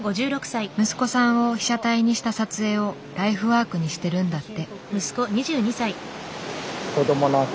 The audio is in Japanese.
息子さんを被写体にした撮影をライフワークにしてるんだって。